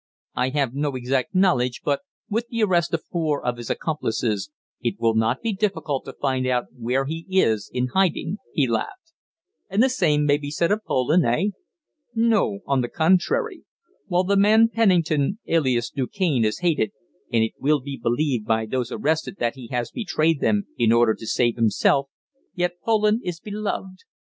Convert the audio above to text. "I have no exact knowledge, but, with the arrest of four of his accomplices, it will not be difficult to find out where he is in hiding," he laughed. "And the same may be said of Poland eh?" "No; on the contrary, while the man Pennington, alias Du Cane, is hated and it will be believed by those arrested that he has betrayed them in order to save himself yet Poland is beloved.